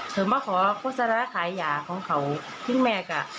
คือมาขอโฆษณาขายยาของเขาทิ้งแม่ก็